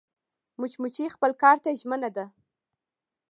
مچمچۍ خپل کار ته ژمنه ده